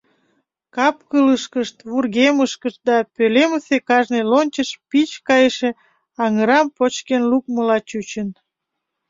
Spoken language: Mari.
Кап-кылышкышт, вургемышкышт да пӧлемысе кажне лончыш пич кайыше аҥырам почкен лукмыла чучын.